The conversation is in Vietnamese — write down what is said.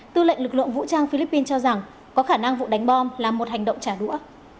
tư lệnh lực lượng vũ trang philippines cho rằng có khả năng vụ đánh bom là một hành động trả đũa